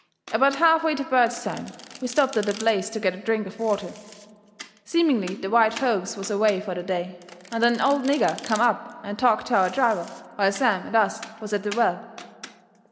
About half way to Bairdstown we stopped at a place to get a drink of water. Seemingly the white folks was away fur the day, and an old nigger come up and talked to our driver while Sam and us was at the well.